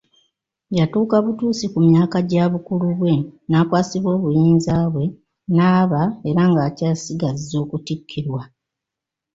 Yatuuka butuusi ku myaka gya bukulu bwe n'akwasibwa obuyinza bwe, n'aba era ng'akyasigazza okutikkirwa.